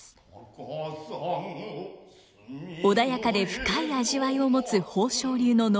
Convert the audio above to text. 穏やかで深い味わいを持つ宝生流の能。